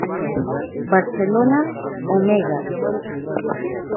Barcelona, Omega.